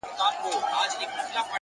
مهرباني د انسانیت بڼ خوشبویه کوي.